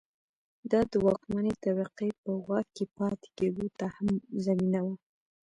دا د واکمنې طبقې په واک کې پاتې کېدو ته هم زمینه وه.